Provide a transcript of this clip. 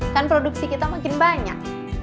kan produksi kita makin banyak